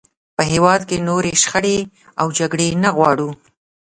په هېواد کې نورې شخړې او جګړې نه غواړو.